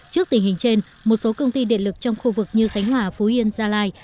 trước tình hình trên một số công ty điện lực trong khu vực như khánh hòa phú yên gia lai